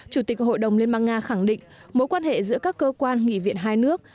chủ tịch hội đồng liên bang nga khẳng định mối quan hệ giữa các cơ quan nghị viện hai nước